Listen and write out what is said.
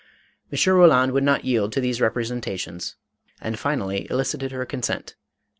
M. Roland would not yield to these representations and finally elicited her consent.